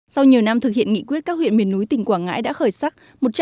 sau nhiều năm thực hiện nghị quyết các huyện miền núi tỉnh quảng ngãi đã khởi sắc